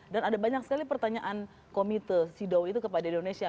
dan ada banyak sekali pertanyaan komite sido itu kepada indonesia